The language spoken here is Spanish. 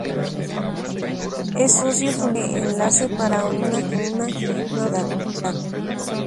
Es Socio Fundador de Enlace para una Nueva Sociedad.